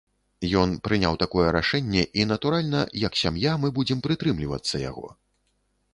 Ён прыняў такое рашэнне, і натуральна, як сям'я, мы будзем прытрымлівацца яго.